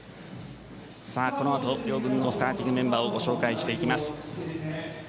この後両軍のスターティングメンバーをご紹介していきます。